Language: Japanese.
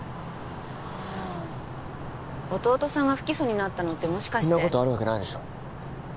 ああ弟さんが不起訴になったのってもしかしてそんなことあるわけないでしょ